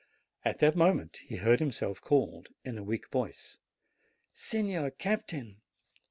At that moment he heard himself called in a weak voice, "Signor Captain!"